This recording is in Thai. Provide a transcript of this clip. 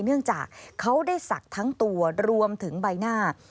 เนื่องจากเขาได้ศักดิ์ทั้งตัวรวมถึงใบหน้า